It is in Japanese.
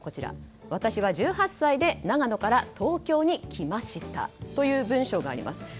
私は１８歳で長野から東京に来ましたという文章があります。